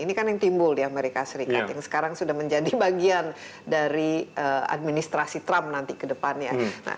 ini kan yang timbul di amerika serikat yang sekarang sudah menjadi bagian dari administrasi trump nanti ke depannya